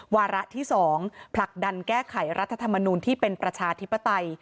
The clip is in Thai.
วาระที่๒ผลักดันแก้ไขรัฐธรรมนูลที่เป็นประชาธิปไตย